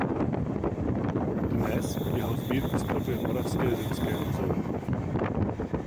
Dnes jeho sbírky spravuje Moravské zemské muzeum.